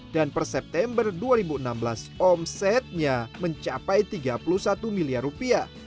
dan per september dua ribu enam belas omsetnya mencapai tiga puluh satu bilion